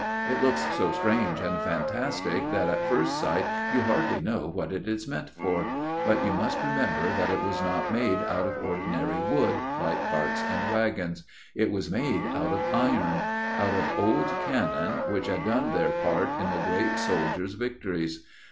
It looks so strange and fantastic that at first sight you hardly know what it is meant for; but you must remember that it was not made out of ordinary wood, like carts and waggons. It was made out of iron out of old cannon which had done their part in the great soldier's victories.